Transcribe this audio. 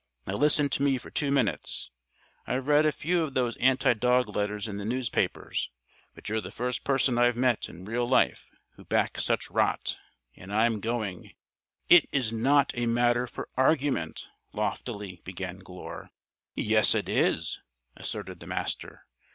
Now listen to me for two minutes. I've read a few of those anti dog letters in the newspapers, but you're the first person I've met in real life who backs such rot. And I'm going " "It is not a matter for argument," loftily began Glure. "Yes it is," asserted the Master.